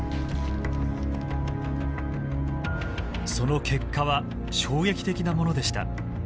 その結果は衝撃的なものでした。